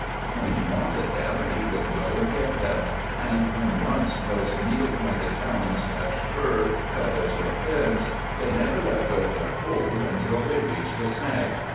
When he wanted them he would go and get them, and when once those needle pointed talons touched fur, feathers, or fins, they never let go their hold until they reached the snag.